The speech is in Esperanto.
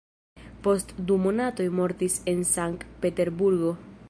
Post du monatoj mortis en Sank-Peterburgo.